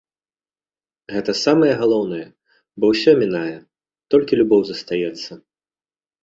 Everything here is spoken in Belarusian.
Гэта самае галоўнае, бо ўсё мінае, толькі любоў застаецца.